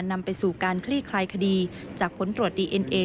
นำไปสู่การคลี่คลายคดีจากผลตรวจดีเอ็นเอ